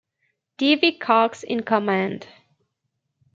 D. V. Cox in command.